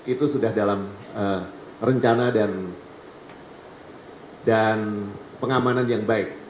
itu sudah dalam rencana dan pengamanan yang baik